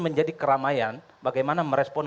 menjadi keramaian bagaimana merespon